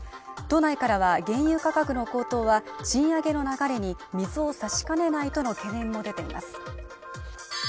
党内からは原油価格の高騰は賃上げの流れに水を差しかねないとの懸念も出ています